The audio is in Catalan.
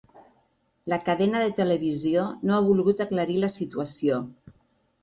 La cadena de televisió no ha volgut aclarir la situació.